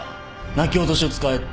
泣き落としを使えって？